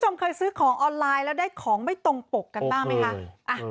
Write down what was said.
เคยซื้อของออนไลน์แล้วได้ของไม่ตรงปกกันบ้างไหมคะ